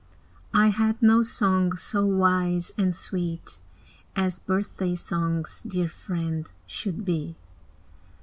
I had no song so wise and sweet, As birthday songs, dear friend, should be.